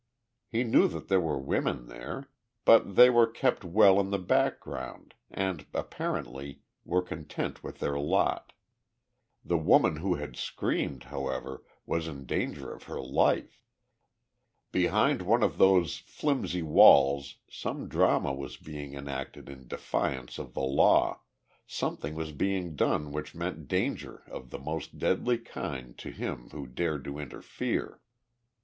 He knew that there were women there, but they were kept well in the background and, apparently, were content with their lot. The woman who had screamed, however, was in danger of her life. Behind one of those flimsy walls some drama was being enacted in defiance of the law something was being done which meant danger of the most deadly kind to him who dared to interfere.